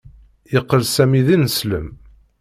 Yeqqel Sami d ineslem.